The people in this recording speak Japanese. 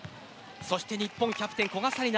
そして日本のキャプテン古賀紗理那